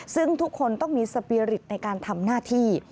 ซึ่งทุกคนต้องมีสปีริตในการทำหน้าที่